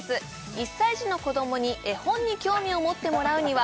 １歳児の子どもに絵本に興味を持ってもらうには？